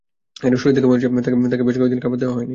শরীর দেখে মনে হয়েছে, তাকে বেশ কয়েক দিন খাবারও দেওয়া হয়নি।